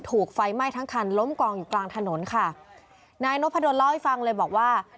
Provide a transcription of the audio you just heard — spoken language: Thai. ถูกไฟไหม้ทั้งคันล้มกองอยู่กลางถนนค่ะนายนพดลเล่าให้ฟังเลยบอกว่า